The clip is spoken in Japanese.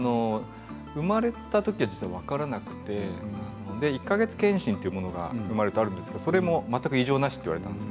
生まれたときは分からなくて１か月検診というものが生まれるとあるんですが、それも全く異常なしと言われたんです。